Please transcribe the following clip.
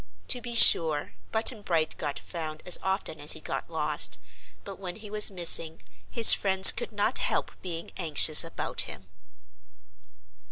To be sure, Button Bright got found as often as he got lost, but when he was missing his friends could not help being anxious about him.